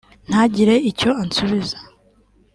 » Ntagire icyo ansubiza